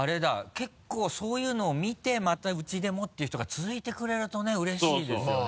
結構そういうのを見て「またウチでも」っていう人が続いてくれるとねうれしいですよね。